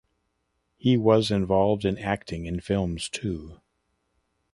He was involved in acting in films too.